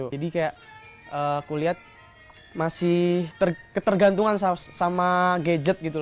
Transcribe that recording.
jadi kayak kulihat masih ketergantungan sama gadget